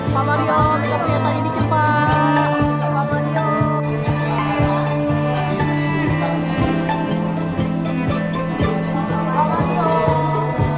pak mario kita punya tadi dikit